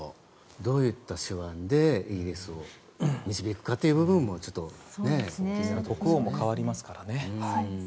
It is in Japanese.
どういった手腕でイギリスを導くかという部分も国王も代わりますからね。